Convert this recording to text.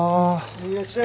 いらっしゃい。